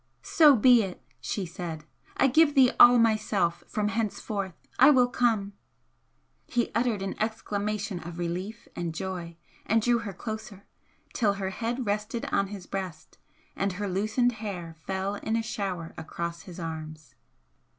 "So be it!" she said "I give thee all myself from henceforth! I will come!" He uttered an exclamation of relief and joy, and drew her closer, till her head rested on his breast and her loosened hair fell in a shower across his arms.